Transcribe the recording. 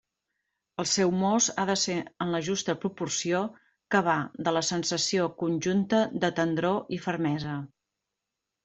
El seu mos ha de ser en la justa proporció que va de la sensació conjunta de tendror i fermesa.